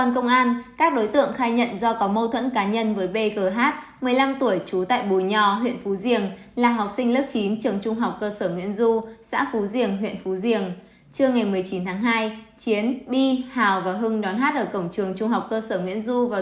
các bạn hãy đăng ký kênh để ủng hộ kênh của chúng mình nhé